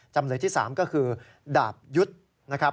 จำเลยที่๓ก็คือดาบยุทธ์นะครับ